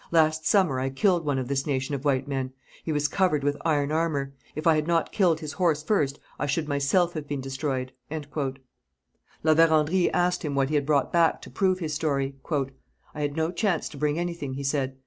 Last summer I killed one of this nation of white men. He was covered with iron armour. If I had not killed his horse first, I should myself have been destroyed.' La Vérendrye asked him what he had brought back to prove his story. 'I had no chance to bring anything,' he said.